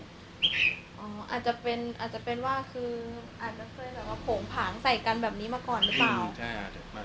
อ่ออาจจะเป็นว่าคืออาจมาเฟิร์นหน่อยว่าโผงผางใส่กันแบบนี้มาก่อนหรือเปล่า